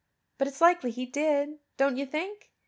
But it's likely He did, don't you think?